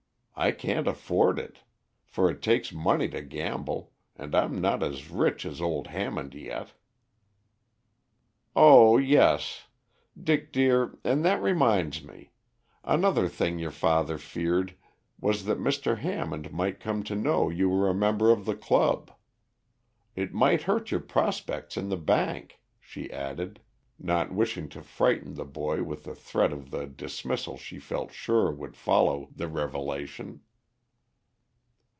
I can't afford it, for it takes money to gamble, and I'm not as rich as old Hammond yet." "Oh yes, Dick dear, and that reminds me. Another thing your father feared was that Mr. Hammond might come to know you were a member of the club. It might hurt your prospects in the bank," she added, not wishing to frighten the boy with the threat of the dismissal she felt sure would follow the revelation.